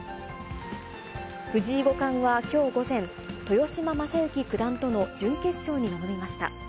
藤井五冠はきょう午前、豊島将之九段との準決勝に臨みました。